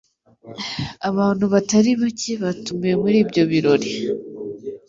Abantu batari bake batumiwe muri ibyo birori.